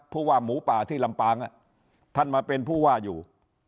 ผู้ว่าหมูป่าที่ลำปางท่านมาเป็นผู้ว่าอยู่